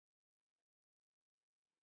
Its county seat is Versailles.